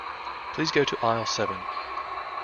Please go to aisle seven.